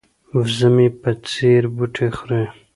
وزه مې په ځیر بوټي خوري.